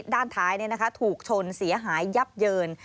ด้านท้ายถูกชนเสียหายยับเยิน